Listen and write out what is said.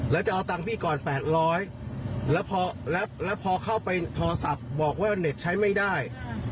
แล้วพอเข้าไปโทรศัพท์บอกว่าเน็ตใช้ไม่ได้